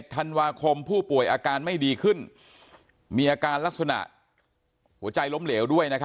ธันวาคมผู้ป่วยอาการไม่ดีขึ้นมีอาการลักษณะหัวใจล้มเหลวด้วย